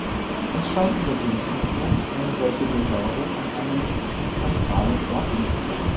Es scheint mir wünschenswert, eine solche Behörde an einem zentralen Ort anzusiedeln.